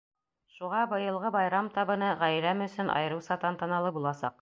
Шуға быйылғы байрам табыны ғаиләм өсөн айырыуса тантаналы буласаҡ.